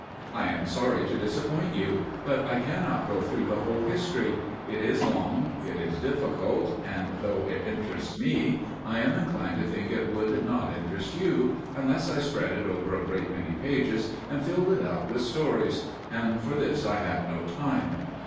I am sorry to disappoint you, but I cannot go through the whole history. It is long, it is difficult, and though it interests me, I am inclined to think it would not interest you unless I spread it over a great many pages, and filled it out with stories; and for this I have no time.